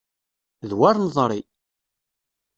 D wer neḍri!